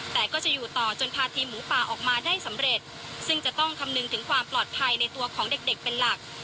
แต่ก็จะอยู่ต่อจนพาทีมหมูป่าออกมาได้สำเร็จซึ่งจะต้องคำนึงถึงความปลอดภัยในตัวของเด็กเด็กเป็นหลัก